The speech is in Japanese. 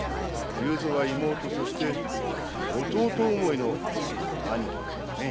竜蔵は妹そして弟思いの兄貴だからねえ。